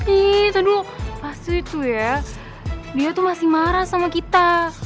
ih taduh pasti tuh ya dia tuh masih marah sama kita